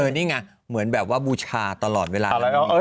นี่ไงเหมือนแบบว่าบูชาตลอดเวลาเลย